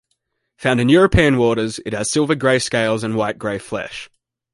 Found in European waters, it has silver grey scales and white-grey flesh.